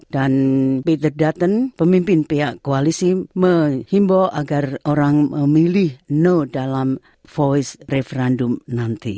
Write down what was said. dan peter dutton pemimpin pihak koalisi menghimbau agar orang memilih no dalam voice referendum nanti